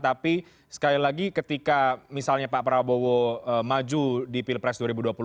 tapi sekali lagi ketika misalnya pak prabowo maju di pilpres dua ribu dua puluh empat